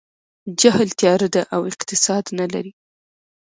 جهل تیاره ده او اقتصاد نه لري.